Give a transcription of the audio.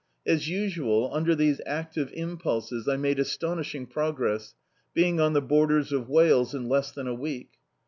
As usual, under these active impulses I made astonishing prog ress, being on the borders of Wales in less than a week.